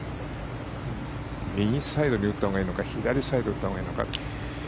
右サイドに打ったほうがいいのか左サイドに打ったほうがいいのか。